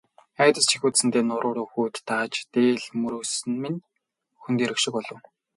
Айдас жихүүдсэндээ нуруу руу хүйт дааж, дээл мөрөөс минь хөндийрөх шиг болов.